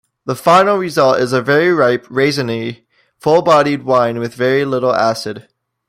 The final result is a very ripe, raisiny, full-bodied wine with very little acid.